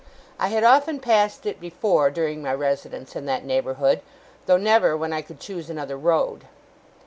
I had often passed it before, during my residence in that neighbourhood, though never when I could choose another road.